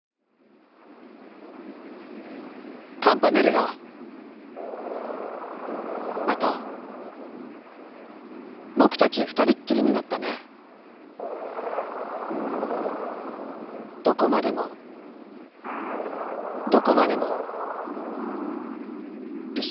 「『カムパネルラ、また僕たち二人っきりになったねえ、どこまでもどこまでも一緒に行かう。